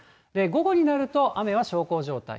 午後になると、雨は小康状態。